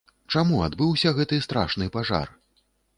Чаму адбыўся гэты страшны пажар?